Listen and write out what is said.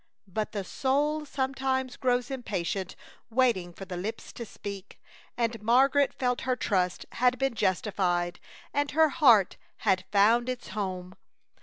But the soul sometimes grows impatient waiting for the lips to speak, and Margaret felt her trust had been justified and her heart had found its home.